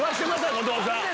後藤さん。